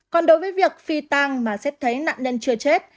còn đối với việc phi tang mà xét thấy nạn nhân chưa chết